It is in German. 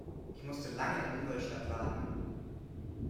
Ich musste lange in Ingolstadt warten